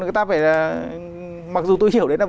người ta phải là mặc dù tôi hiểu đấy là